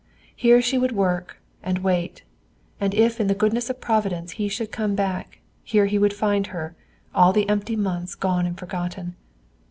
Here she would work and wait, and if in the goodness of providence he should come back, here he would find her, all the empty months gone and forgotten.